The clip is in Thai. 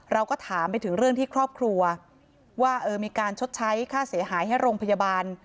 เราก็ถามไปถึงเรื่องที่ครอบครัวว่ามีการชดใช้ค่าเสียหายให้โรงพยาบาล